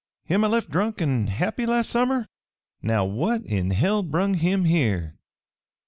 Him I left drunk an' happy last summer? Now what in hell brung him here?"